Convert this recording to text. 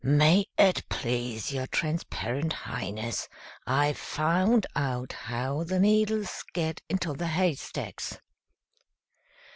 "May it please your Transparent Highness, I've found out how the needles get into the haystacks."